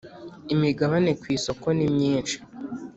Imigabane ku isoko nimyishi.